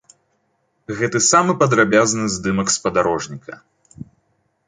Гэты самы падрабязны здымак спадарожніка.